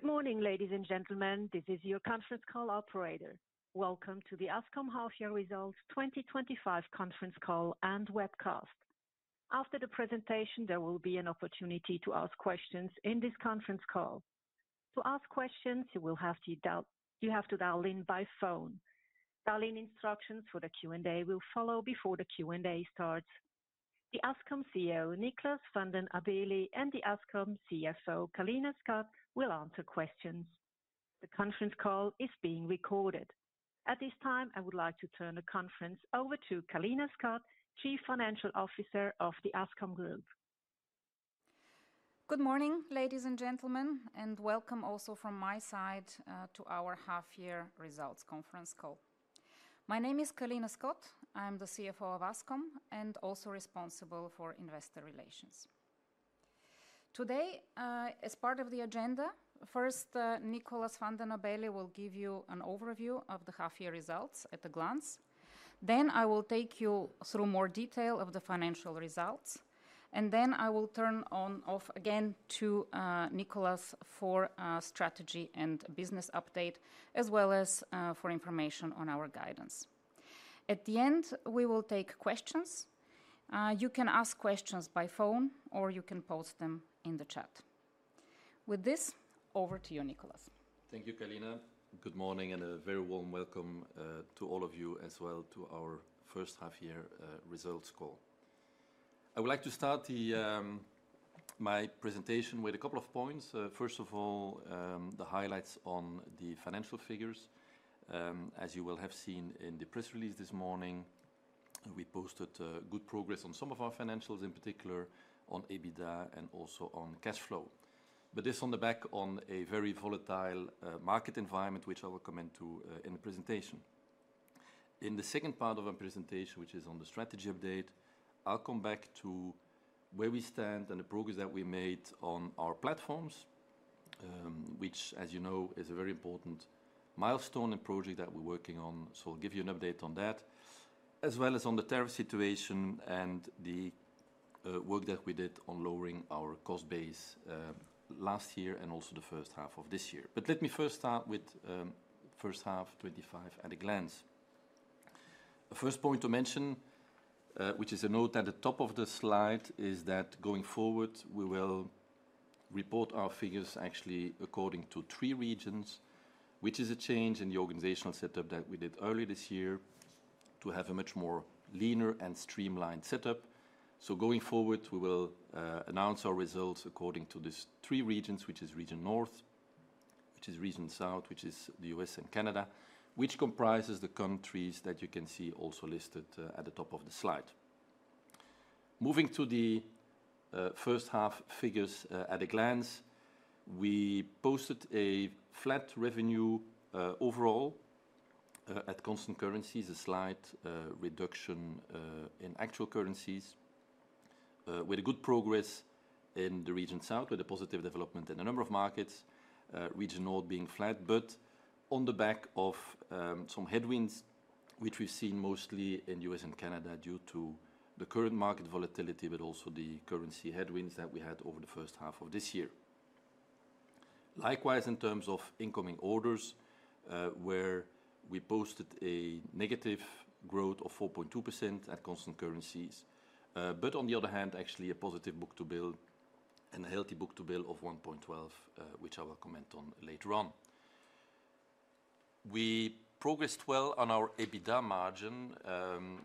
Good morning, ladies and gentlemen. This is your conference call operator. Welcome to the Ascom Healthcare Results 2025 Conference call and webcast. After the presentation, there will be an opportunity to ask questions in this conference call. To ask questions, you will have to dial in by phone. Dial-in instructions for the Q&A will follow before the Q&A starts. The Ascom CEO, Niklas van den Abele, and the Ascom CFO, Kalina Scott, will answer questions. The conference call is being recorded. At this time, I would like to turn the conference over to Kalina Scott, Chief Financial Officer of the Ascom Group. Good morning, ladies and gentlemen, and welcome also from my side to our Healthcare Results 2025 Conference Call. My name is Kalina Scott. I'm the CFO of Ascom and also responsible for investor relations. Today, as part of the agenda, first, Niklas van den Abele will give you an overview of the half-year results at a glance. I will take you through more detail of the financial results. I will turn off again to Niklas for a strategy and business update, as well as for information on our guidance. At the end, we will take questions. You can ask questions by phone or you can post them in the chat. With this, over to you, Niklas. Thank you, Kalina. Good morning and a very warm welcome to all of you as well to our first half-year results call. I would like to start my presentation with a couple of points. First of all, the highlights on the financial figures. As you will have seen in the press release this morning, we posted good progress on some of our financials, in particular on EBITDA and also on cash flow. This is on the back of a very volatile market environment, which I will comment on in the presentation. In the second part of our presentation, which is on the strategy update, I'll come back to where we stand and the progress that we made on our platforms, which, as you know, is a very important milestone and project that we're working on. I'll give you an update on that, as well as on the tariff situation and the work that we did on lowering our cost base last year and also the first half of this year. Let me first start with the first half, 2025, at a glance. The first point to mention, which is a note at the top of the slide, is that going forward, we will report our figures actually according to three regions, which is a change in the organizational setup that we did earlier this year to have a much more leaner and streamlined setup. Going forward, we will announce our results according to these three regions, which are Region North, which is Region South, which is the U.S. and Canada, which comprises the countries that you can see also listed at the top of the slide. Moving to the first half figures at a glance, we posted a flat revenue overall at constant currencies, a slight reduction in actual currencies, with a good progress in the Region South, with a positive development in a number of markets, Region North being flat, on the back of some headwinds, which we've seen mostly in the U.S. and Canada due to the current market volatility, and also the currency headwinds that we had over the first half of this year. Likewise, in terms of incoming orders, we posted a negative growth of 4.2% at constant currencies, on the other hand, actually a positive book-to-bill and a healthy book-to-bill of 1.12, which I will comment on later on. We progressed well on our EBITDA margin,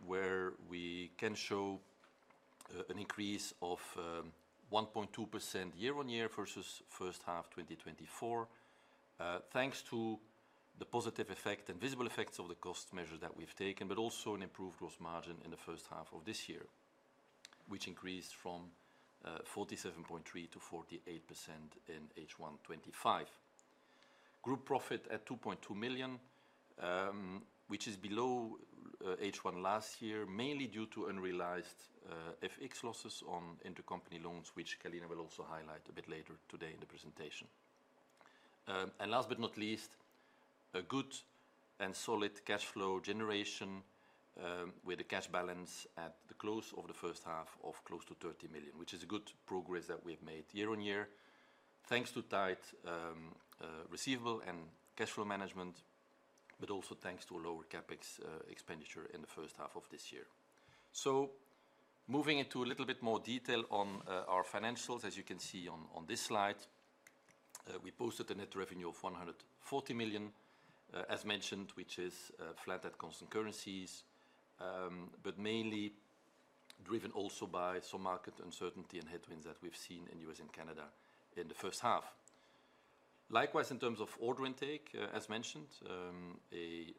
where we can show an increase of 1.2% year-on-year versus the first half of 2024, thanks to the positive effect and visible effects of the cost measures that we've taken, and also an improved gross margin in the first half of this year, which increased from 47.3% to 48% in H1 2025. Group profit at $2.2 million, which is below H1 last year, mainly due to unrealized FX losses on intercompany loans, which Kalina will also highlight a bit later today in the presentation. Last but not least, a good and solid cash flow generation with a cash balance at the close of the first half of close to $30 million, which is a good progress that we've made year-on-year, thanks to tight receivable and cash flow management, but also thanks to a lower CapEx expenditure in the first half of this year. Moving into a little bit more detail on our financials, as you can see on this slide, we posted a net revenue of $140 million, as mentioned, which is flat at constant currencies, but mainly driven also by some market uncertainty and headwinds that we've seen in the U.S. and Canada in the first half. Likewise, in terms of order intake, as mentioned, a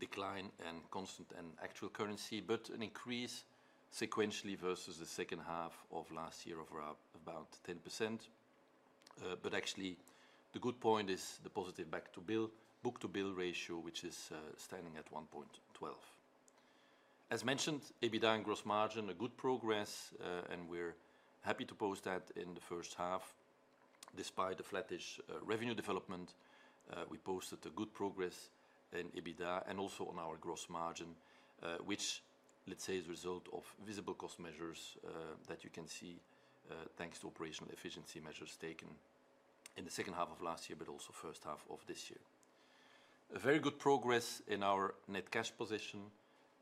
decline in constant and actual currency, but an increase sequentially versus the second half of last year of about 10%. Actually, the good point is the positive book-to-bill ratio, which is standing at 1.12. As mentioned, EBITDA and gross margin, a good progress, and we're happy to post that in the first half, despite the flattish revenue development. We posted a good progress in EBITDA and also on our gross margin, which, let's say, is a result of visible cost measures that you can see thanks to operational efficiency measures taken in the second half of last year, but also the first half of this year. A very good progress in our net cash position.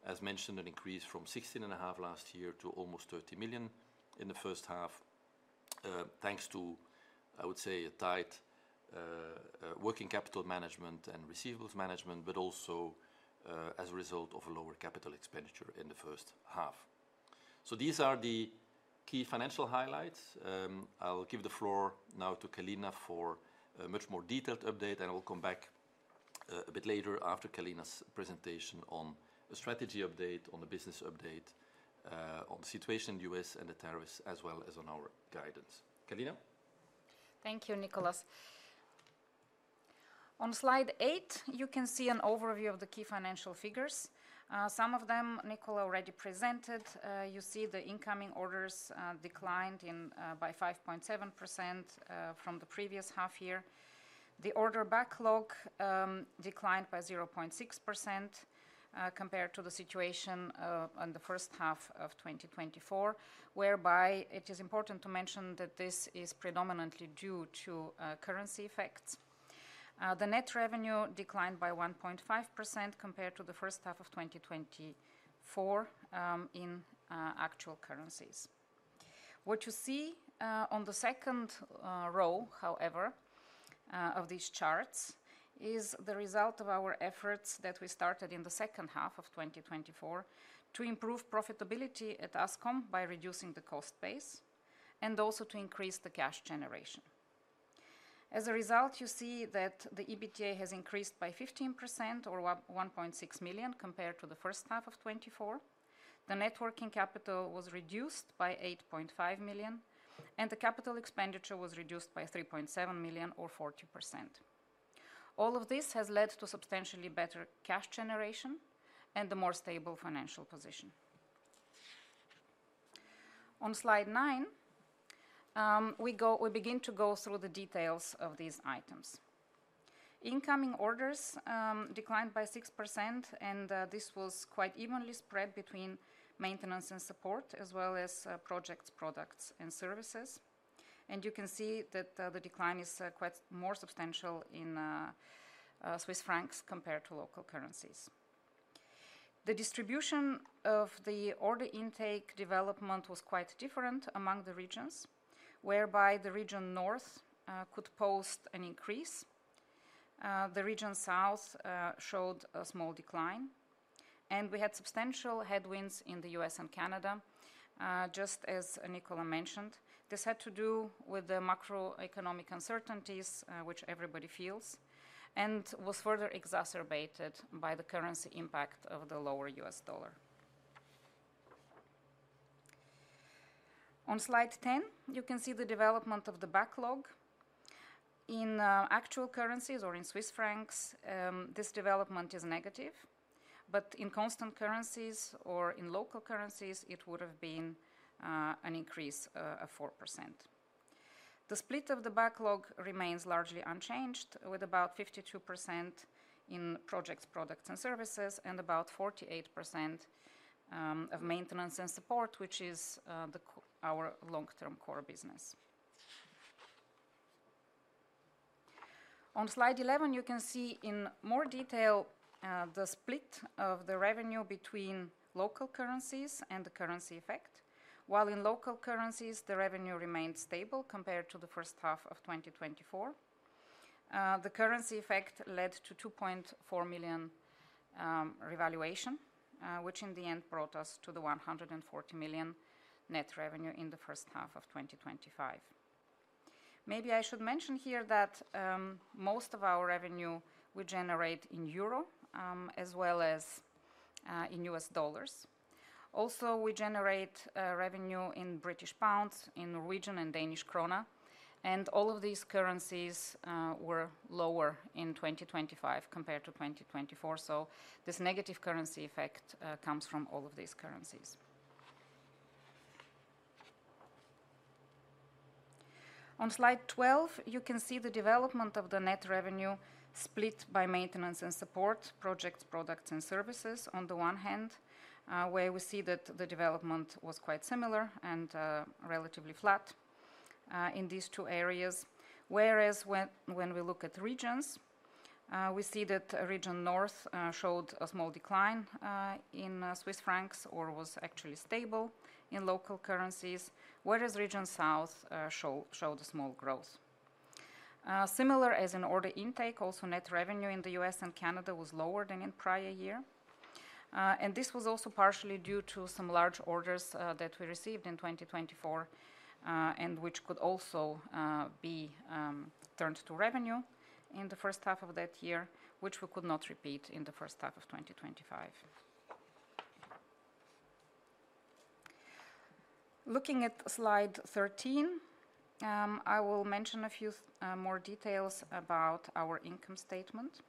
As mentioned, an increase from 16.5% last year to almost $30 million in the first half, thanks to, I would say, a tight working capital management and receivables management, but also as a result of a lower capital expenditure in the first half. These are the key financial highlights. I'll give the floor now to Kalina for a much more detailed update, and I'll come back a bit later after Kalina's presentation on a strategy update, on a business update, on the situation in the U.S. and the tariffs, as well as on our guidance. Kalina? Thank you, Niklas. On slide eight, you can see an overview of the key financial figures. Some of them, Niklas already presented. You see the incoming orders declined by 5.7% from the previous half year. The order backlog declined by 0.6% compared to the situation in the first half of 2024, whereby it is important to mention that this is predominantly due to currency effects. The net revenue declined by 1.5% compared to the first half of 2024 in actual currencies. What you see on the second row, however, of these charts, is the result of our efforts that we started in the second half of 2024 to improve profitability at Ascom by reducing the cost base and also to increase the cash generation. As a result, you see that the EBITDA has increased by 15% or 1.6 million compared to the first half of 2024. The net working capital was reduced by 8.5 million, and the capital expenditure was reduced by 3.7 million or 40%. All of this has led to substantially better cash generation and a more stable financial position. On slide nine, we begin to go through the details of these items. Incoming orders declined by 6%, and this was quite evenly spread between maintenance and support, as well as projects, products, and services. You can see that the decline is quite more substantial in Swiss francs compared to local currencies. The distribution of the order intake development was quite different among the regions, whereby the Region North could post an increase. The Region South showed a small decline, and we had substantial headwinds in the U.S. and Canada, just as Niklas mentioned. This had to do with the macroeconomic uncertainties, which everybody feels, and was further exacerbated by the currency impact of the lower U.S. dollar. On slide 10, you can see the development of the backlog. In actual currencies or in Swiss francs, this development is negative, but in constant currencies or in local currencies, it would have been an increase of 4%. The split of the backlog remains largely unchanged, with about 52% in projects, products, and services, and about 48% of maintenance and support, which is our long-term core business. On slide 11, you can see in more detail the split of the revenue between local currencies and the currency effect, while in local currencies, the revenue remained stable compared to the first half of 2024. The currency effect led to 2.4 million revaluation, which in the end brought us to the 140 million net revenue in the first half of 2025. Maybe I should mention here that most of our revenue we generate in euro, as well as in U.S. dollars. Also, we generate revenue in British pounds, in Norwegian and Danish krona, and all of these currencies were lower in 2025 compared to 2024. This negative currency effect comes from all of these currencies. On slide 12, you can see the development of the net revenue split by maintenance and support, projects, products, and services on the one hand, where we see that the development was quite similar and relatively flat in these two areas. Whereas when we look at regions, we see that Region North showed a small decline in Swiss francs or was actually stable in local currencies, whereas Region South showed a small growth. Similar as in order intake, also net revenue in the U.S. and Canada was lower than in the prior year. This was also partially due to some large orders that we received in 2024, which could also be turned to revenue in the first half of that year, which we could not repeat in the first half of 2025. Looking at slide 13, I will mention a few more details about our income statement.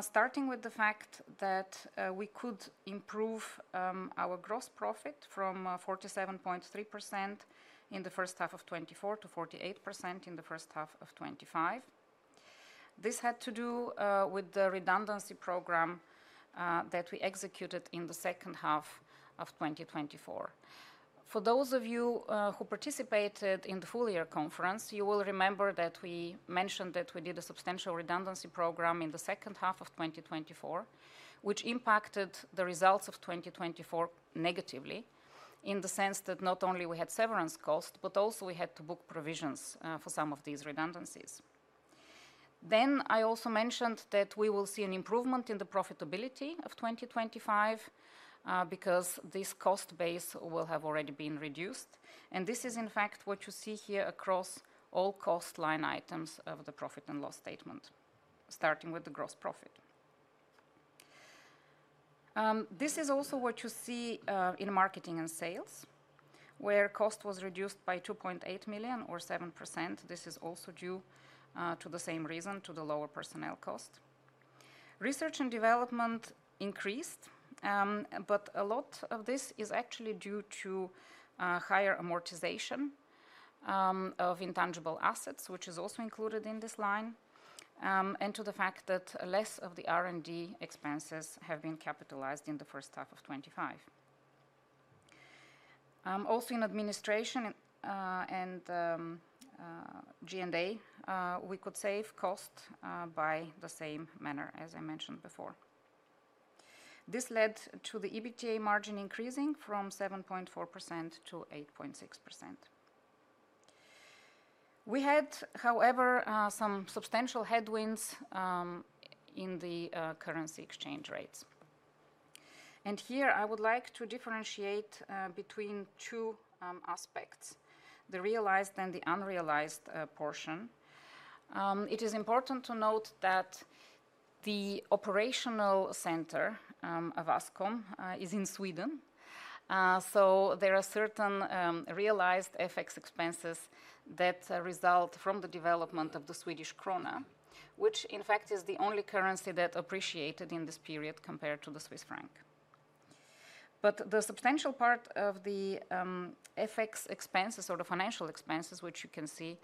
Starting with the fact that we could improve our gross profit from 47.3% in the first half of 2024 to 48% in the first half of 2025. This had to do with the redundancy program that we executed in the second half of 2024. For those of you who participated in the full-year conference, you will remember that we mentioned that we did a substantial redundancy program in the second half of 2024, which impacted the results of 2024 negatively in the sense that not only we had severance costs, but also we had to book provisions for some of these redundancies. I also mentioned that we will see an improvement in the profitability of 2025 because this cost base will have already been reduced. This is, in fact, what you see here across all cost line items of the profit and loss statement, starting with the gross profit. This is also what you see in marketing and sales, where cost was reduced by $2.8 million or 7%. This is also due to the same reason, to the lower personnel cost. Research and development increased, but a lot of this is actually due to higher amortization of intangible assets, which is also included in this line, and to the fact that less of the R&D expenses have been capitalized in the first half of 2025. Also, in administration and G&A, we could save cost by the same manner, as I mentioned before. This led to the EBITDA margin increasing from 7.4% to 8.6%. We had, however, some substantial headwinds in the currency exchange rates. Here I would like to differentiate between two aspects, the realized and the unrealized portion. It is important to note that the operational center of Ascom is in Sweden. There are certain realized FX expenses that result from the development of the Swedish krona, which, in fact, is the only currency that appreciated in this period compared to the Swiss franc. The substantial part of the FX expenses or the financial expenses, which you can see,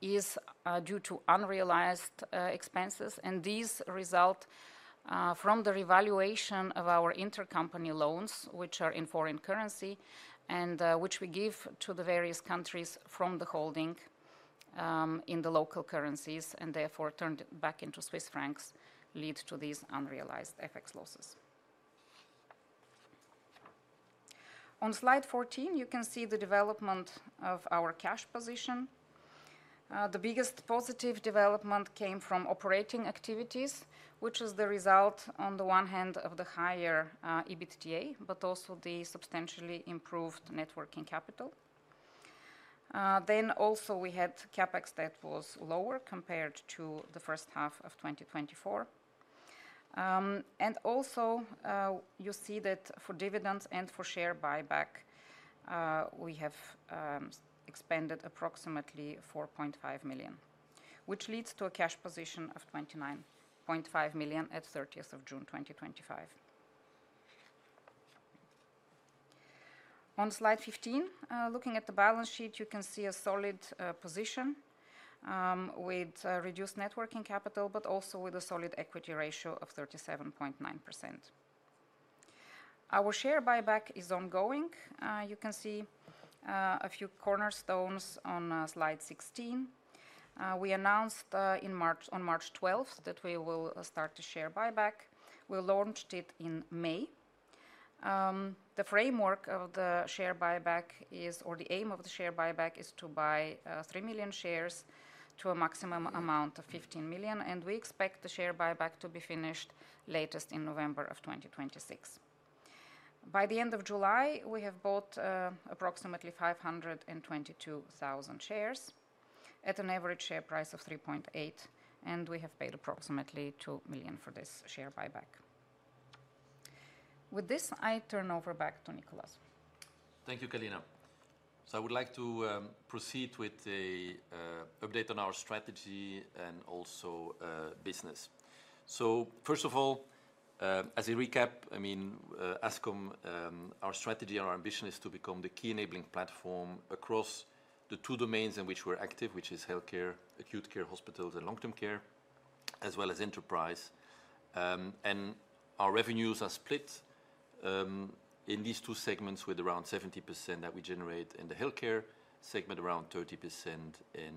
is due to unrealized expenses, and these result from the revaluation of our intercompany loans, which are in foreign currency and which we give to the various countries from the holding in the local currencies, and therefore turned back into Swiss francs, lead to these unrealized FX losses. On slide 14, you can see the development of our cash position. The biggest positive development came from operating activities, which is the result, on the one hand, of the higher EBITDA, but also the substantially improved networking capital. We had CapEx that was lower compared to the first half of 2024. You see that for dividends and for share buyback, we have expended approximately 4.5 million, which leads to a cash position of 29.5 million at June 30, 2025. On slide 15, looking at the balance sheet, you can see a solid position with reduced networking capital, but also with a solid equity ratio of 37.9%. Our share buyback is ongoing. You can see a few cornerstones on slide 16. We announced on March 12 that we will start the share buyback. We launched it in May. The framework of the share buyback is, or the aim of the share buyback is to buy 3 million shares to a maximum amount of 15 million, and we expect the share buyback to be finished latest in November 2026. By the end of July, we have bought approximately 522,000 shares at an average share price of 3.8, and we have paid approximately 2 million for this share buyback. With this, I turn over back to Niklas. Thank you, Kalina. I would like to proceed with an update on our strategy and also business. First of all, as a recap, I mean Ascom, our strategy and our ambition is to become the key enabling platform across the two domains in which we're active, which is healthcare, acute care, hospitals, and long-term care, as well as enterprise. Our revenues are split in these two segments with around 70% that we generate in the healthcare segment, around 30% in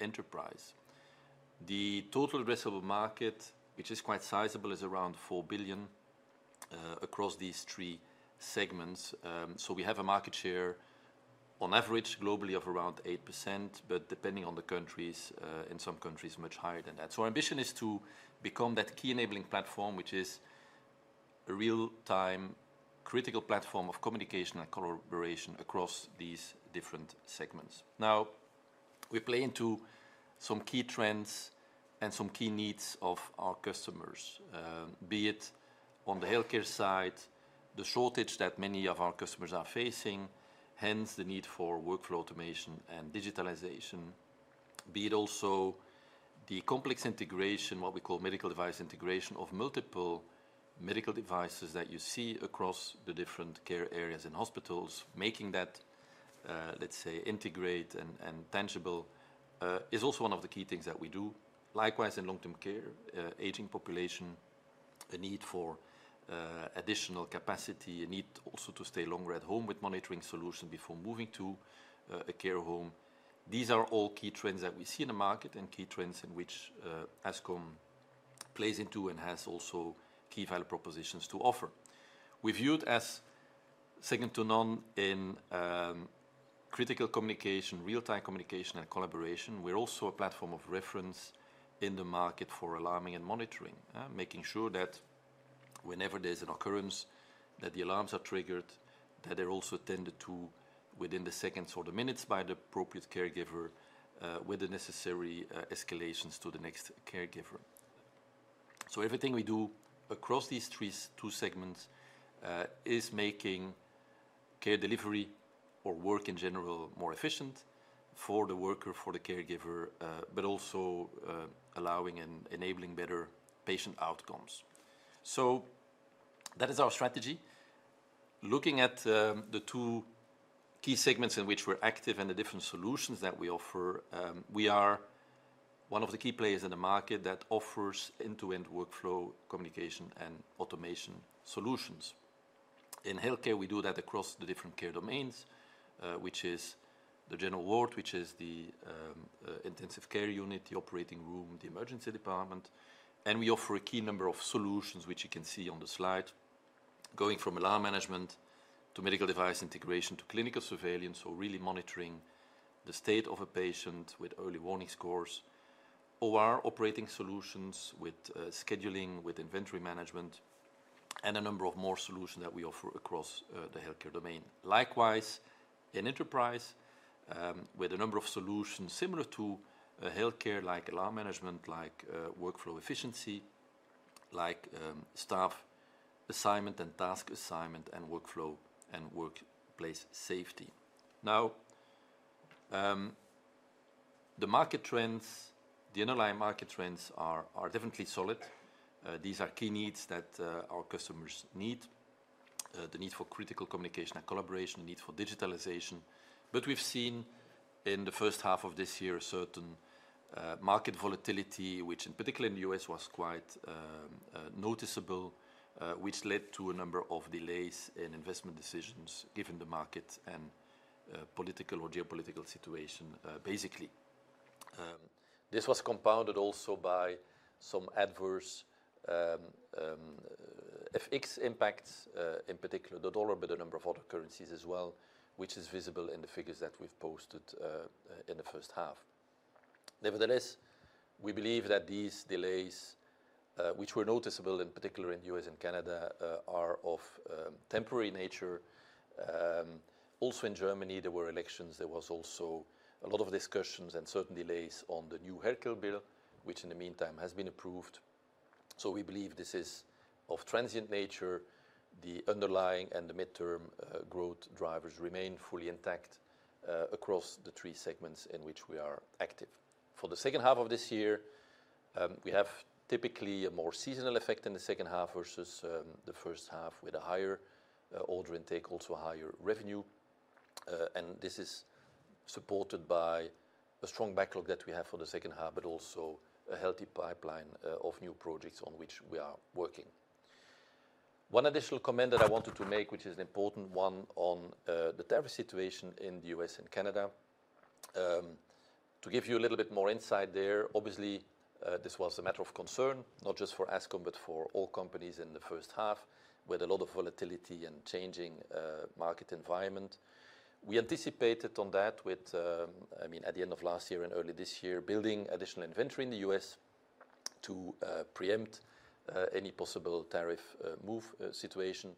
enterprise. The total addressable market, which is quite sizable, is around $4 billion across these three segments. We have a market share on average globally of around 8%, but depending on the countries, in some countries, much higher than that. Our ambition is to become that key enabling platform, which is a real-time critical platform of communication and collaboration across these different segments. We play into some key trends and some key needs of our customers, be it on the healthcare side, the shortage that many of our customers are facing, hence the need for workflow automation and digitalization, be it also the complex integration, what we call medical device integration of multiple medical devices that you see across the different care areas in hospitals, making that, let's say, integrate and tangible is also one of the key things that we do. Likewise, in long-term care, aging population, a need for additional capacity, a need also to stay longer at home with monitoring solutions before moving to a care home. These are all key trends that we see in the market and key trends in which Ascom plays into and has also key value propositions to offer. We view it as second to none in critical communication, real-time communication, and collaboration. We're also a platform of reference in the market for alarming and monitoring, making sure that whenever there's an occurrence, that the alarms are triggered, that they're also tended to within the seconds or the minutes by the appropriate caregiver with the necessary escalations to the next caregiver. Everything we do across these two segments is making care delivery or work in general more efficient for the worker, for the caregiver, but also allowing and enabling better patient outcomes. That is our strategy. Looking at the two key segments in which we're active and the different solutions that we offer, we are one of the key players in the market that offers end-to-end workflow communication and automation solutions. In healthcare, we do that across the different care domains, which is the general ward, the intensive care unit, the operating room, the emergency department, and we offer a key number of solutions, which you can see on the slide, going from alarm management to medical device integration to clinical surveillance, or really monitoring the state of a patient with early warning scores, or operating solutions with scheduling, with inventory management, and a number of more solutions that we offer across the healthcare domain. Likewise, in enterprise, with a number of solutions similar to healthcare, like alarm management, workflow efficiency, staff assignment and task assignment, and workflow and workplace safety. The market trends, the underlying market trends are definitely solid. These are key needs that our customers need: the need for critical communication and collaboration, the need for digitalization. We've seen in the first half of this year a certain market volatility, which in particular in the U.S. was quite noticeable, which led to a number of delays in investment decisions given the market and political or geopolitical situation. This was compounded also by some adverse FX impacts, in particular the dollar, but a number of other currencies as well, which is visible in the figures that we've posted in the first half. Nevertheless, we believe that these delays, which were noticeable in particular in the U.S. and Canada, are of temporary nature. Also in Germany, there were elections. There were also a lot of discussions and certain delays on the new healthcare bill, which in the meantime has been approved. We believe this is of transient nature. The underlying and the midterm growth drivers remain fully intact across the three segments in which we are active. For the second half of this year, we have typically a more seasonal effect in the second half versus the first half, with a higher order intake, also a higher revenue. This is supported by a strong backlog that we have for the second half, but also a healthy pipeline of new projects on which we are working. One additional comment that I wanted to make, which is an important one on the tariff situation in the U.S. and Canada, to give you a little bit more insight there, obviously, this was a matter of concern, not just for Ascom, but for all companies in the first half, with a lot of volatility and changing market environment. We anticipated on that with, I mean, at the end of last year and early this year, building additional inventory in the U.S. to preempt any possible tariff move situation.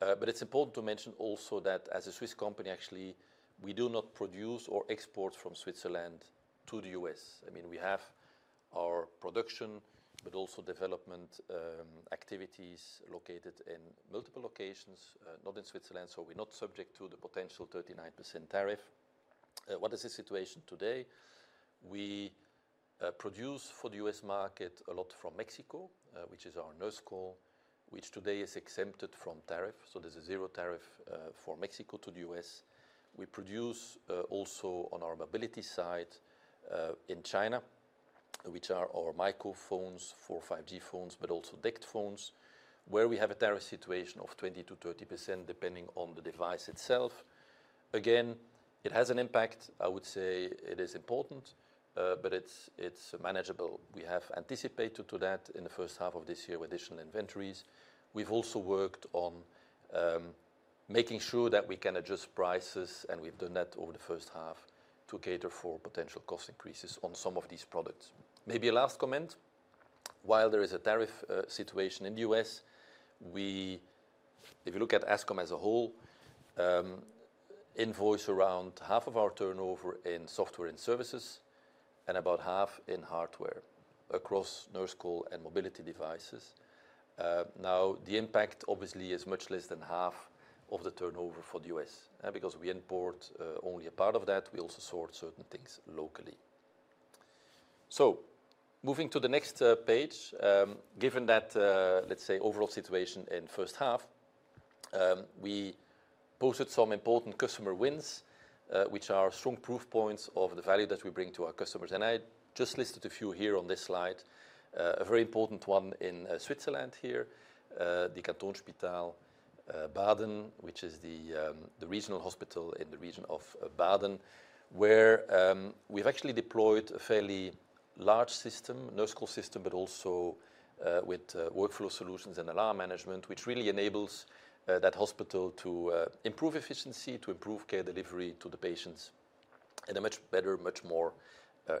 It's important to mention also that as a Swiss company, actually, we do not produce or export from Switzerland to the U.S. I mean, we have our production, but also development activities located in multiple locations, not in Switzerland, so we're not subject to the potential 39% tariff. What is the situation today? We produce for the U.S. market a lot from Mexico, which is our Nurse Call, which today is exempted from tariff. There's a zero tariff for Mexico to the U.S. We produce also on our mobility side in China, which are our microphones for 5G phones, but also DECT phones, where we have a tariff situation of 20%-30% depending on the device itself. Again, it has an impact. I would say it is important, but it's manageable. We have anticipated that in the first half of this year with additional inventories. We've also worked on making sure that we can adjust prices, and we've done that over the first half to cater for potential cost increases on some of these products. Maybe a last comment. While there is a tariff situation in the U.S., if you look at Ascom as a whole, invoice around half of our turnover in software and services and about half in hardware across Nurse Call and mobility devices. Now, the impact obviously is much less than half of the turnover for the U.S. because we import only a part of that. We also sort certain things locally. Moving to the next page, given that, let's say, overall situation in the first half, we posted some important customer wins, which are strong proof points of the value that we bring to our customers. I just listed a few here on this slide, a very important one in Switzerland here, the Kantonsspital Baden, which is the regional hospital in the region of Baden, where we've actually deployed a fairly large system, Nurse Call system, but also with workflow solutions and alarm management, which really enables that hospital to improve efficiency, to improve care delivery to the patients in a much better, much more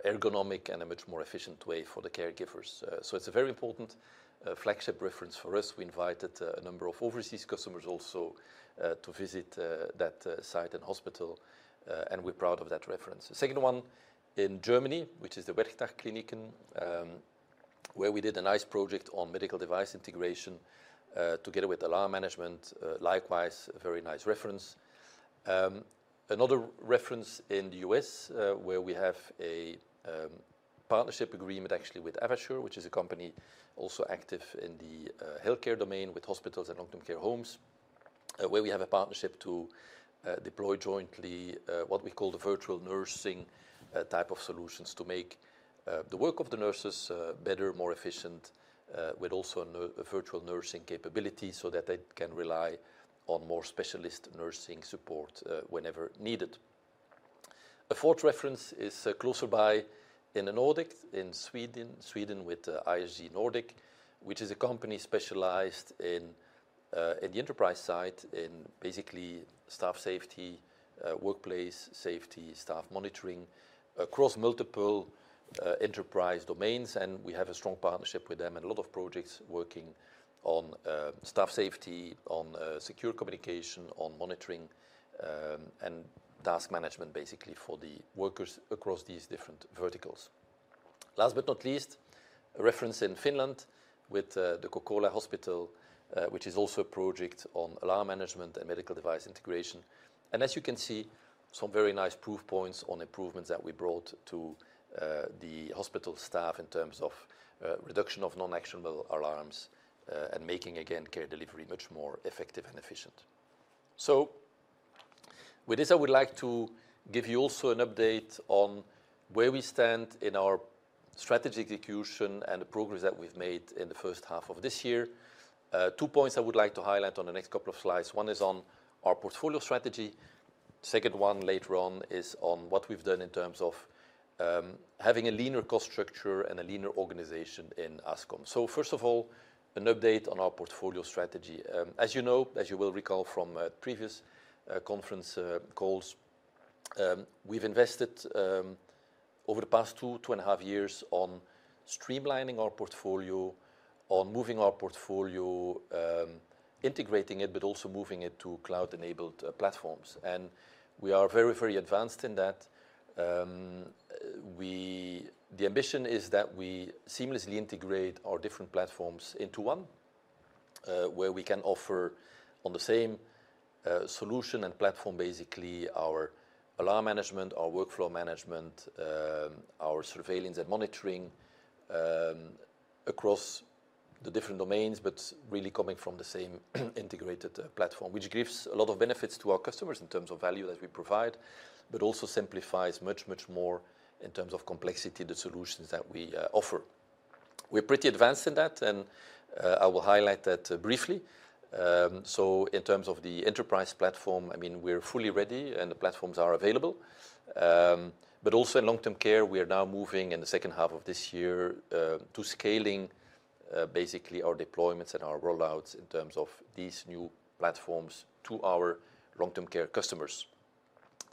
ergonomic, and a much more efficient way for the caregivers. It's a very important flagship reference for us. We invited a number of overseas customers also to visit that site and hospital, and we're proud of that reference. The second one in Germany, which is the Werktagkliniken, where we did a nice project on medical device integration together with alarm management. Likewise, a very nice reference. Another reference in the U.S., where we have a partnership agreement actually with AvaSure, which is a company also active in the healthcare domain with hospitals and long-term care homes, where we have a partnership to deploy jointly what we call the virtual nursing type of solutions to make the work of the nurses better, more efficient, with also a virtual nursing capability so that they can rely on more specialist nursing support whenever needed. A fourth reference is closer by in the Nordics, in Sweden, with the ISG Nordic, which is a company specialized in the enterprise side in basically staff safety, workplace safety, staff monitoring across multiple enterprise domains. We have a strong partnership with them and a lot of projects working on staff safety, on secure communication, on monitoring, and task management basically for the workers across these different verticals. Last but not least, a reference in Finland with the Kokola Hospital, which is also a project on alarm management and medical device integration. As you can see, some very nice proof points on improvements that we brought to the hospital staff in terms of reduction of non-actionable alarms and making, again, care delivery much more effective and efficient. With this, I would like to give you also an update on where we stand in our strategy execution and the progress that we've made in the first half of this year. Two points I would like to highlight on the next couple of slides. One is on our portfolio strategy. The second one later on is on what we've done in terms of having a leaner cost structure and a leaner organization in Ascom. First of all, an update on our portfolio strategy. As you know, as you will recall from previous conference calls, we've invested over the past two, two and a half years on streamlining our portfolio, on moving our portfolio, integrating it, but also moving it to cloud-enabled platforms. We are very, very advanced in that. The ambition is that we seamlessly integrate our different platforms into one, where we can offer on the same solution and platform basically our alarm management, our workflow management, our surveillance and monitoring across the different domains, but really coming from the same integrated platform, which gives a lot of benefits to our customers in terms of value that we provide, but also simplifies much, much more in terms of complexity the solutions that we offer. We're pretty advanced in that, and I will highlight that briefly. In terms of the enterprise platform, I mean, we're fully ready and the platforms are available. Also in long-term care, we are now moving in the second half of this year to scaling basically our deployments and our rollouts in terms of these new platforms to our long-term care customers.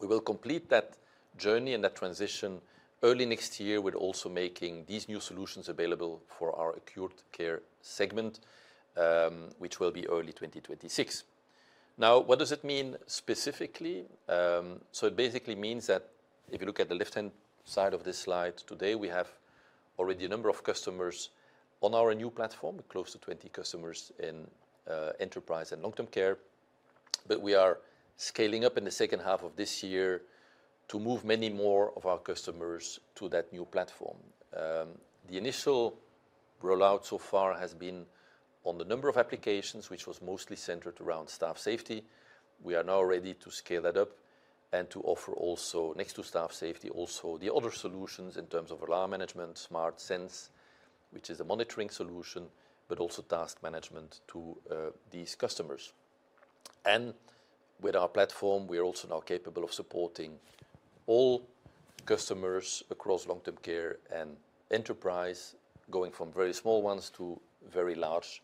We will complete that journey and that transition early next year with also making these new solutions available for our acute care segment, which will be early 2026. Now, what does it mean specifically? It basically means that if you look at the left-hand side of this slide today, we have already a number of customers on our new platform, close to 20 customers in enterprise and long-term care, but we are scaling up in the second half of this year to move many more of our customers to that new platform. The initial rollout so far has been on the number of applications, which was mostly centered around staff safety. We are now ready to scale that up and to offer also next to staff safety, also the other solutions in terms of alarm management, SmartSense, which is a monitoring solution, but also task management to these customers. With our platform, we are also now capable of supporting all customers across long-term care and enterprise, going from very small ones to very large,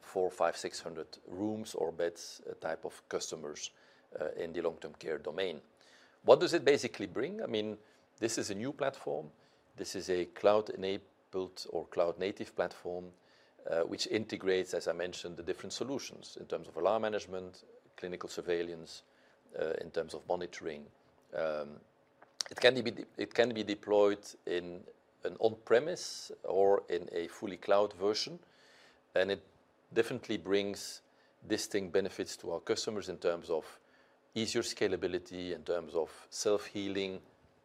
four, five, six hundred rooms or beds type of customers in the long-term care domain. What does it basically bring? This is a new platform. This is a cloud-enabled or cloud-native platform, which integrates, as I mentioned, the different solutions in terms of alarm management, clinical surveillance, in terms of monitoring. It can be deployed on-premise or in a fully cloud version, and it definitely brings distinct benefits to our customers in terms of easier scalability, in terms of self-healing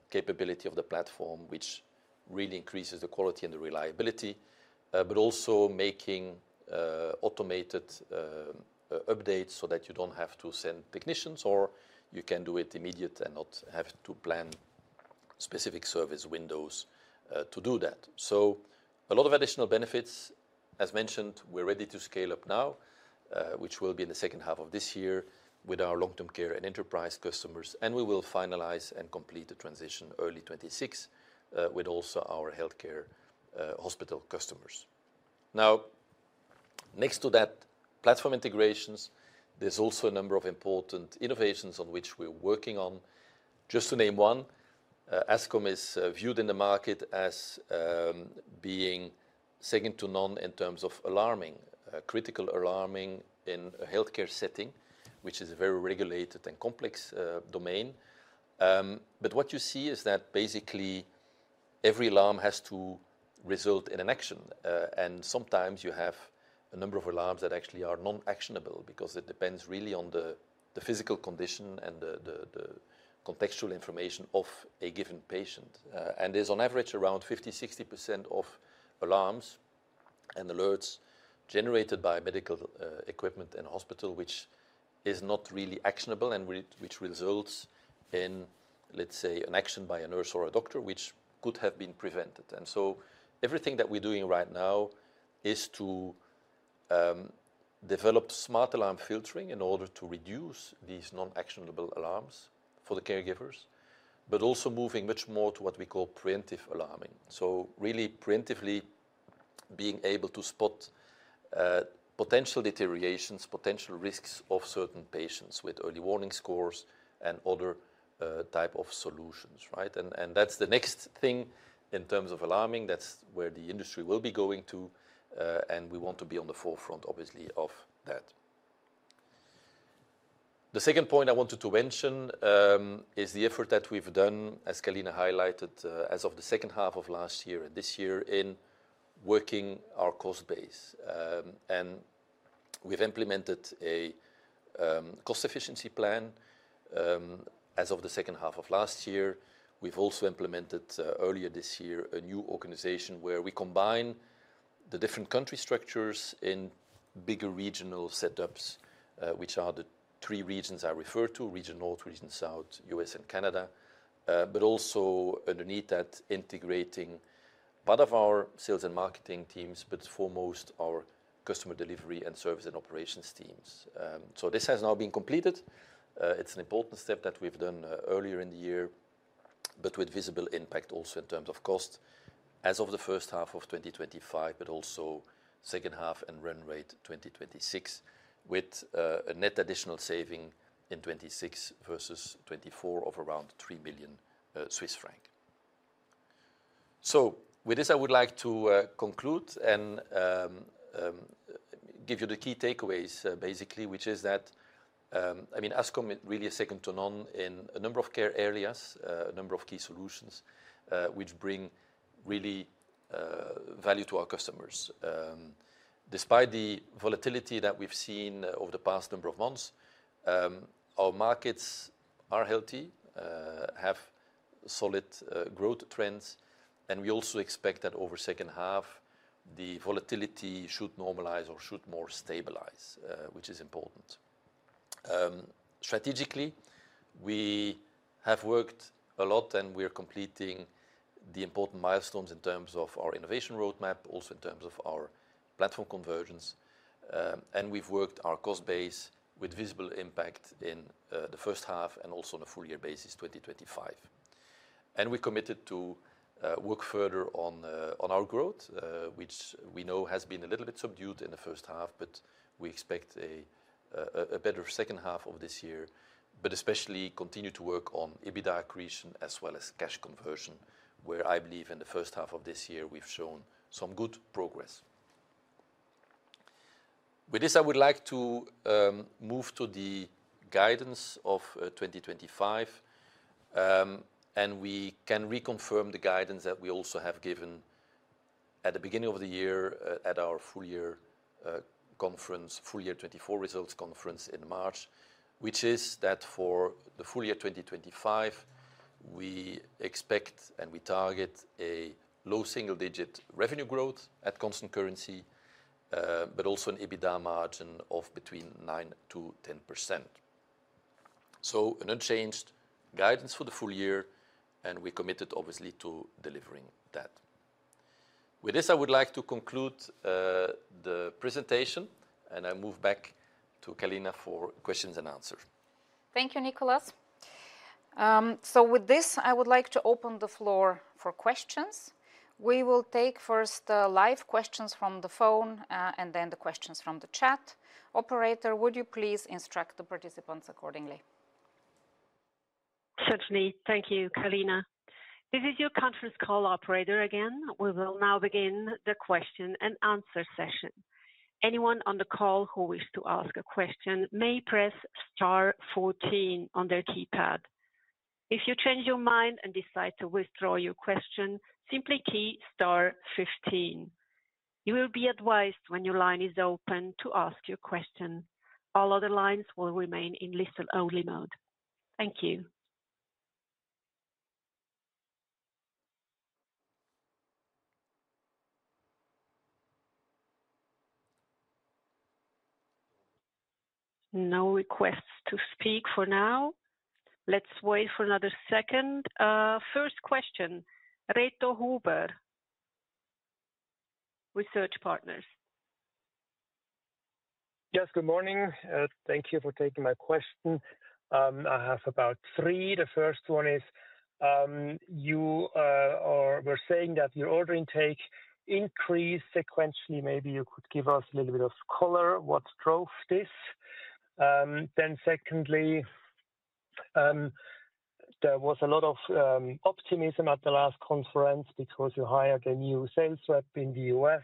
capability of the platform, which really increases the quality and the reliability, but also making automated updates so that you don't have to send technicians, or you can do it immediately and not have to plan specific service windows to do that. A lot of additional benefits. As mentioned, we're ready to scale up now, which will be in the second half of this year with our long-term care and enterprise customers, and we will finalize and complete the transition early 2026 with also our healthcare hospital customers. Next to that, platform integrations, there's also a number of important innovations on which we're working on. Just to name one, Ascom is viewed in the market as being second to none in terms of alarming, critical alarming in a healthcare setting, which is a very regulated and complex domain. What you see is that basically every alarm has to result in an action, and sometimes you have a number of alarms that actually are non-actionable because it depends really on the physical condition and the contextual information of a given patient. There's on average around 50%-60% of alarms and alerts generated by medical equipment in a hospital, which is not really actionable and which results in, let's say, an action by a nurse or a doctor, which could have been prevented. Everything that we're doing right now is to develop smart alarm filtering in order to reduce these non-actionable alarms for the caregivers, but also moving much more to what we call preemptive alarming. Really preemptively being able to spot potential deteriorations, potential risks of certain patients with early warning scores and other types of solutions, right? That's the next thing in terms of alarming. That's where the industry will be going to, and we want to be on the forefront, obviously, of that. The second point I wanted to mention is the effort that we've done, as Kalina highlighted, as of the second half of last year and this year in working our cost base. We've implemented a cost efficiency plan as of the second half of last year. We've also implemented earlier this year a new organization where we combine the different country structures in bigger regional setups, which are the three regions I referred to: Region North, Region South, U.S., and Canada. Also underneath that, integrating part of our sales and marketing teams, but foremost our customer delivery and service and operations teams. This has now been completed. It's an important step that we've done earlier in the year, with visible impact also in terms of cost as of the first half of 2025, also second half and run rate 2026, with a net additional saving in 2026 versus 2024 of around 3 billion Swiss francs. With this, I would like to conclude and give you the key takeaways, basically, which is that Ascom is really second to none in a number of care areas, a number of key solutions, which bring real value to our customers. Despite the volatility that we've seen over the past number of months, our markets are healthy, have solid growth trends, and we also expect that over the second half, the volatility should normalize or should more stabilize, which is important. Strategically, we have worked a lot, and we're completing the important milestones in terms of our innovation roadmap, also in terms of our platform convergence. We've worked our cost base with visible impact in the first half and also on a full-year basis 2025. We're committed to work further on our growth, which we know has been a little bit subdued in the first half, but we expect a better second half of this year, especially continue to work on EBITDA creation as well as cash conversion, where I believe in the first half of this year, we've shown some good progress. With this, I would like to move to the guidance of 2025. We can reconfirm the guidance that we also have given at the beginning of the year at our full-year conference, full-year 2024 results conference in March, which is that for the full year 2025, we expect and we target a low single-digit revenue growth at constant currency, also an EBITDA margin of between 9%-10%. An unchanged guidance for the full year, and we're committed, obviously, to delivering that. With this, I would like to conclude the presentation, and I move back to Kalina for questions and answers. Thank you, Niklas. With this, I would like to open the floor for questions. We will take first live questions from the phone and then the questions from the chat. Operator, would you please instruct the participants accordingly? Certainly. Thank you, Kalina. This is your conference call operator again. We will now begin the question-and-answer session. Anyone on the call who wishes to ask a question may press Star, 14 on their keypad. If you change your mind and decide to withdraw your question, simply key Star, 15. You will be advised when your line is open to ask your question. All other lines will remain in listen-only mode. Thank you. No requests to speak for now. Let's wait for another second. First question, Reto Huber, Research Partners. Yes, good morning. Thank you for taking my question. I have about three. The first one is, you were saying that your order intake increased sequentially. Maybe you could give us a little bit of color what drove this. Secondly, there was a lot of optimism at the last conference because you hired a new sales rep in the U.S.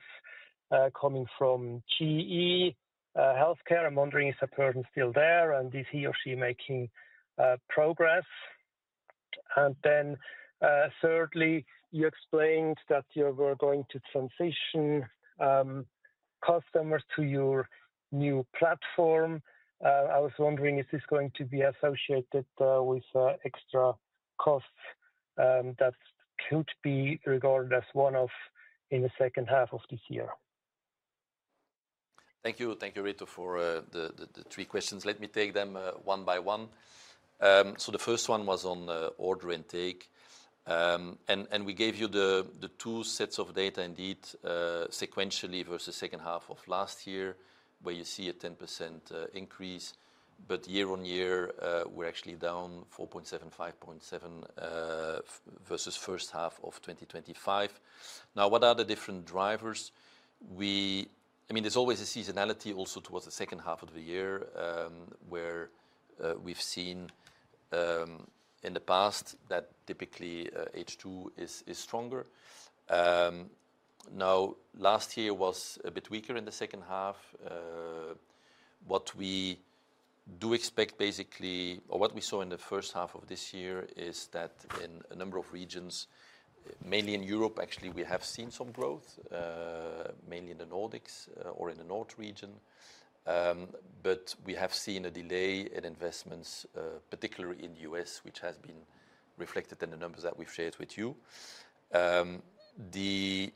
coming from GE HealthCare. I'm wondering if that person is still there and is he or she making progress? Thirdly, you explained that you were going to transition customers to your new platform. I was wondering, is this going to be associated with extra costs that could be regarded as one-off in the second half of this year? Thank you. Thank you, Reto, for the three questions. Let me take them one by one. The first one was on order intake. We gave you the two sets of data, indeed sequentially versus the second half of last year, where you see a 10% increase. Year-on-year, we're actually down 4.7% versus the first half of 2023. Now, what are the different drivers? There's always a seasonality also towards the second half of the year, where we've seen in the past that typically H2 is stronger. Last year was a bit weaker in the second half. What we do expect, or what we saw in the first half of this year, is that in a number of regions, mainly in Europe, actually, we have seen some growth, mainly in the Nordics or in the North region. We have seen a delay in investments, particularly in the U.S., which has been reflected in the numbers that we've shared with you. The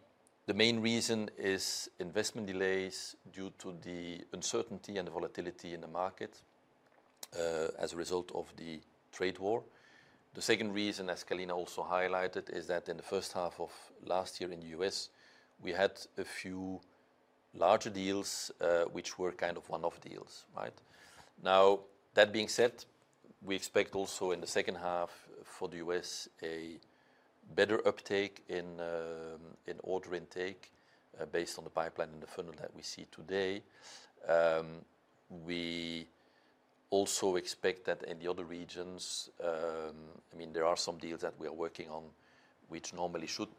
main reason is investment delays due to the uncertainty and the volatility in the market as a result of the trade war. The second reason, as Kalina also highlighted, is that in the first half of last year in the U.S., we had a few larger deals, which were kind of one-off deals. That being said, we expect also in the second half for the U.S. a better uptake in order intake based on the pipeline and the funnel that we see today. We also expect that in the other regions, there are some deals that we are working on, which normally should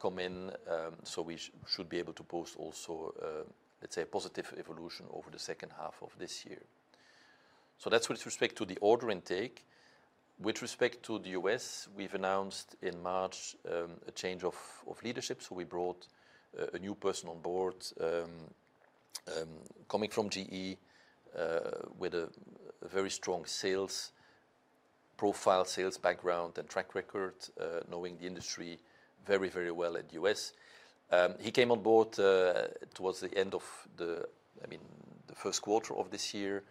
come in. We should be able to post also, let's say, a positive evolution over the second half of this year. That's with respect to the order intake. With respect to the U.S., we've announced in March a change of leadership. We brought a new person on board, coming from GE with a very strong sales profile, sales background, and track record, knowing the industry very, very well in the U.S. He came on board towards the end of the first quarter of this year.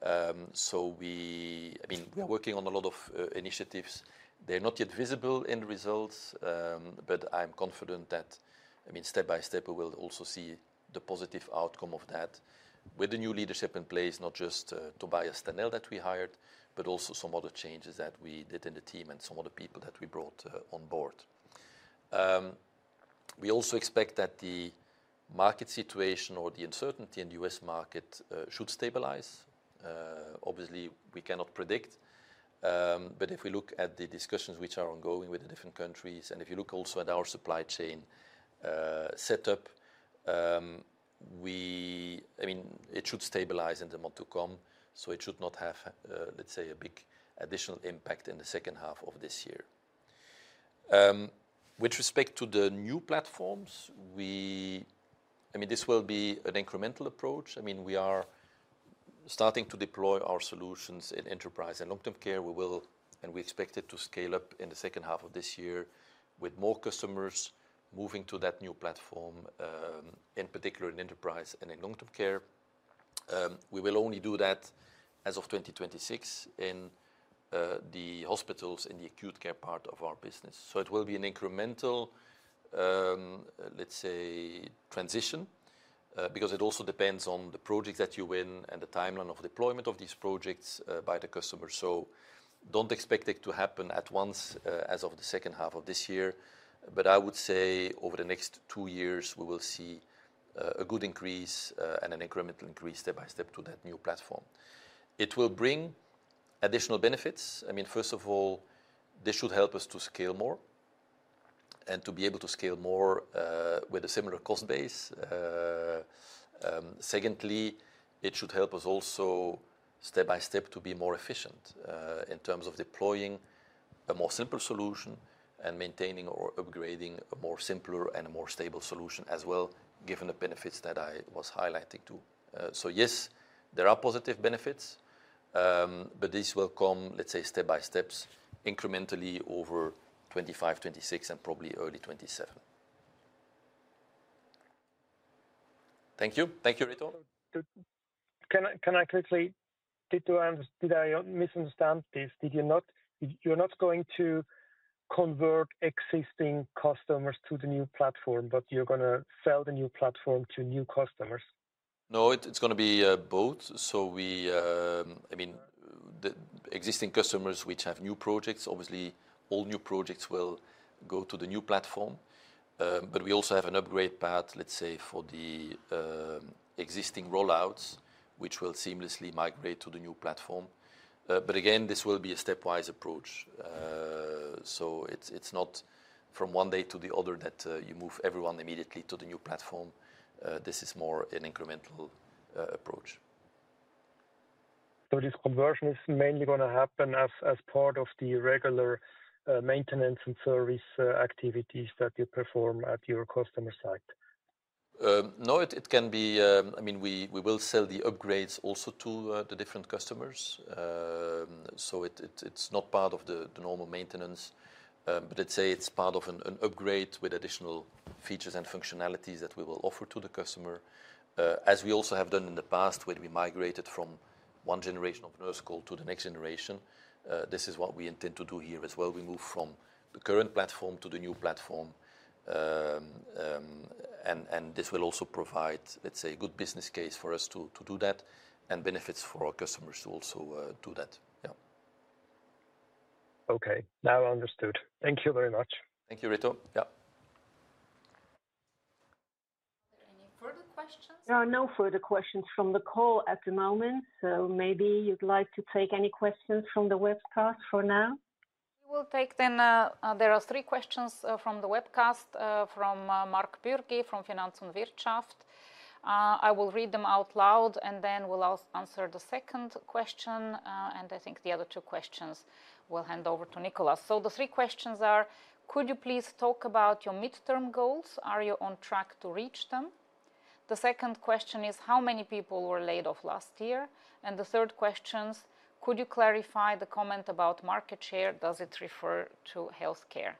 We are working on a lot of initiatives. They're not yet visible in the results, but I'm confident that, step by step, we will also see the positive outcome of that with the new leadership in place, not just Tobias Stenelle that we hired, but also some other changes that we did in the team and some other people that we brought on board. We also expect that the market situation or the uncertainty in the U.S. market should stabilize. Obviously, we cannot predict, but if we look at the discussions which are ongoing with the different countries, and if you look also at our supply chain setup, it should stabilize in the months to come. It should not have, let's say, a big additional impact in the second half of this year. With respect to the new platforms, this will be an incremental approach. We are starting to deploy our solutions in enterprise and long-term care. We will, and we expect it to scale up in the second half of this year with more customers moving to that new platform, in particular in enterprise and in long-term care. We will only do that as of 2026 in the hospitals in the acute care part of our business. It will be an incremental, let's say, transition because it also depends on the projects that you win and the timeline of deployment of these projects by the customer. Do not expect it to happen at once as of the second half of this year, but I would say over the next two years, we will see a good increase and an incremental increase step by step to that new platform. It will bring additional benefits. First of all, this should help us to scale more and to be able to scale more with a similar cost base. Secondly, it should help us also step by step to be more efficient in terms of deploying a more simple solution and maintaining or upgrading a more simple and a more stable solution as well, given the benefits that I was highlighting too. Yes, there are positive benefits, but these will come, let's say, step by step, incrementally over 2025, 2026, and probably early 2027. Thank you. Thank you, Reto. Can I quickly, did I misunderstand this? You're not going to convert existing customers to the new platform, but you're going to sell the new platform to new customers? No, it's going to be both. We, I mean, the existing customers which have new projects, obviously, all new projects will go to the new platform. We also have an upgrade path, let's say, for the existing rollouts, which will seamlessly migrate to the new platform. Again, this will be a stepwise approach. It's not from one day to the other that you move everyone immediately to the new platform. This is more an incremental approach. Is this conversion mainly going to happen as part of the regular maintenance and service activities that you perform at your customer site? No, it can be, I mean, we will sell the upgrades also to the different customers. It's not part of the normal maintenance, but it's part of an upgrade with additional features and functionalities that we will offer to the customer, as we also have done in the past when we migrated from one generation of Nurse Call to the next generation. This is what we intend to do here as well. We move from the current platform to the new platform. This will also provide a good business case for us to do that and benefits for our customers to also do that. Yeah. Okay, now understood. Thank you very much. Thank you, Reto. Yeah. Any further questions? There are no further questions from the call at the moment. Maybe you'd like to take any questions from the webcast for now? We will take then. There are three questions from the webcast from Mark Bürgi from Finanz und Wirtschaft. I will read them out loud and then we'll answer the second question. I think the other two questions we'll hand over to Niklas. The three questions are, could you please talk about your midterm goals? Are you on track to reach them? The second question is, how many people were laid off last year? The third question is, could you clarify the comment about market share? Does it refer to healthcare?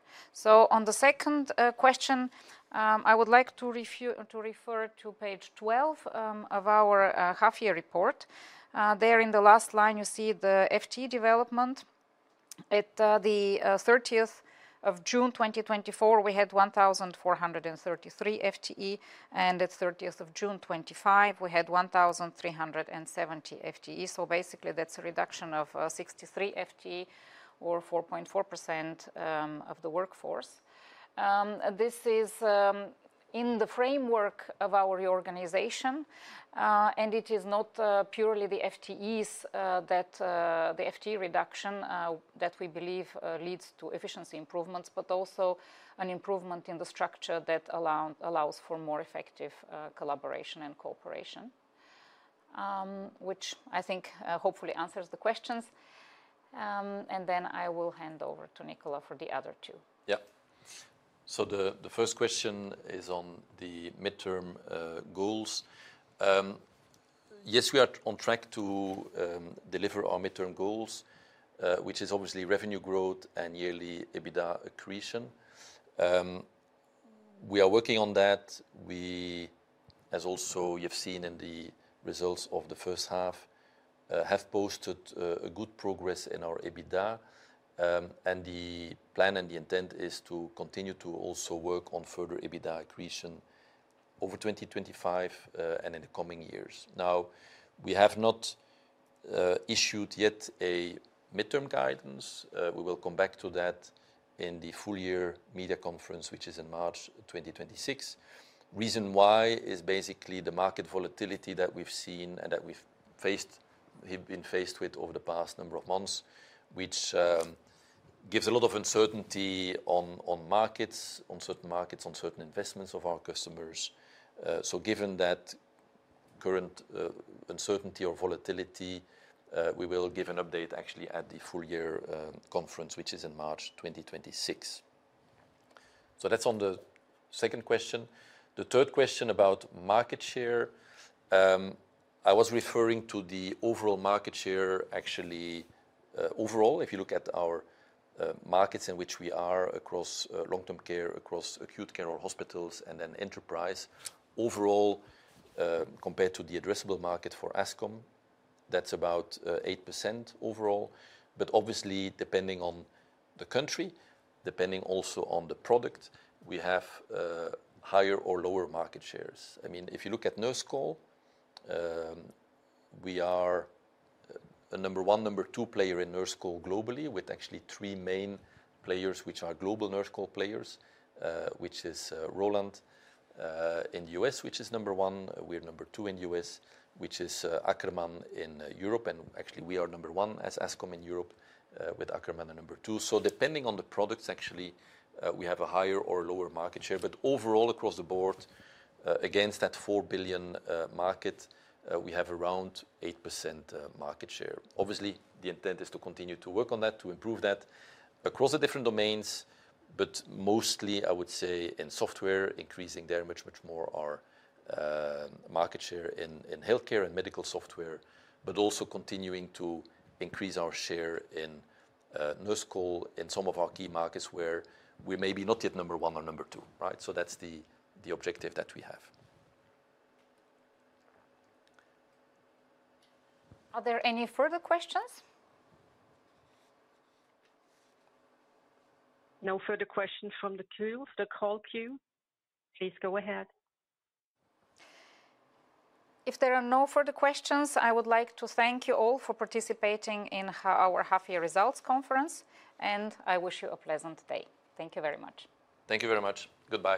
On the second question, I would like to refer to page 12 of our half-year report. There in the last line, you see the FTE development. At the 30th of June 2024, we had 1,433 FTE. At 30th of June 2025, we had 1,370 FTE. That's a reduction of 63 FTE or 4.4% of the workforce. This is in the framework of our reorganization. It is not purely the FTEs, the FTE reduction, that we believe leads to efficiency improvements, but also an improvement in the structure that allows for more effective collaboration and cooperation, which I think hopefully answers the questions. I will hand over to Niklas for the other two. Yeah. The first question is on the midterm goals. Yes, we are on track to deliver our midterm goals, which is obviously revenue growth and yearly EBITDA creation. We are working on that. As you've seen in the results of the first half, we have posted good progress in our EBITDA. The plan and the intent is to continue to also work on further EBITDA creation over 2025 and in the coming years. We have not issued yet a midterm guidance. We will come back to that in the full-year media conference, which is in March 2026. The reason why is basically the market volatility that we've seen and that we've been faced with over the past number of months, which gives a lot of uncertainty on markets, on certain markets, on certain investments of our customers. Given that current uncertainty or volatility, we will give an update actually at the full-year conference, which is in March 2026. The third question about market share, I was referring to the overall market share. Actually, overall, if you look at our markets in which we are across long-term care, across acute care or hospitals, and then enterprise, overall, compared to the addressable market for Ascom, that's about 8% overall. Obviously, depending on the country, depending also on the product, we have higher or lower market shares. If you look at Nurse Call, we are a number one, number two player in Nurse Call globally, with actually three main players, which are global Nurse Call players, which is Rauland in the U.S., which is number one. We're number two in the U.S., which is Ackermann in Europe. Actually, we are number one as Ascom in Europe, with Ackermann number two. Depending on the products, we have a higher or lower market share. Overall, across the board, against that $4 billion market, we have around 8% market share. Obviously, the intent is to continue to work on that, to improve that across the different domains, but mostly, I would say, in software, increasing there much, much more our market share in healthcare and medical software, but also continuing to increase our share in Nurse Call in some of our key markets where we're maybe not yet number one or number two, right? That's the objective that we have. Are there any further questions? No further questions from the queue, the call queue. Please go ahead. If there are no further questions, I would like to thank you all for participating in our half-year results conference, and I wish you a pleasant day. Thank you very much. Thank you very much. Goodbye.